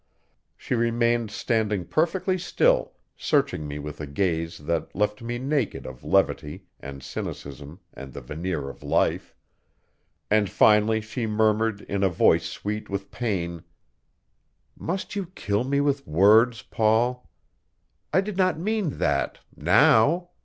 She remained standing perfectly still, searching me with a gaze that left me naked of levity and cynicism and the veneer of life; and finally she murmured in a voice sweet with pain: "Must you kill me with words, Paul? I did not mean that now.